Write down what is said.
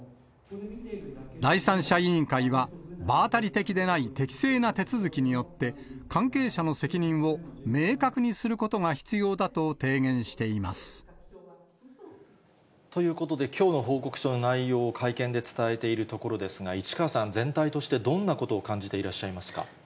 第三者委員会は、場当たり的でない適切な手続きによって、関係者の責任を明確にすということで、きょうの報告書の内容を会見で伝えているところですが、市川さん、全体としてどんなことを感じていらっしゃいますか。